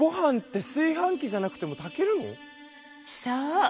そう。